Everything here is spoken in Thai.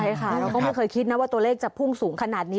ใช่ค่ะเราก็ไม่เคยคิดนะว่าตัวเลขจะพุ่งสูงขนาดนี้